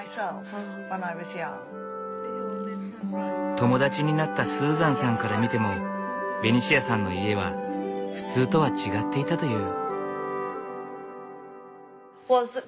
友達になったスーザンさんから見てもベニシアさんの家は普通とは違っていたという。